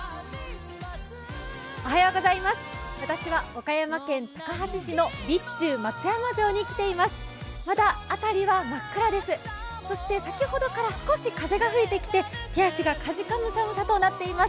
私は岡山県高梁市の備中松山城に来ています。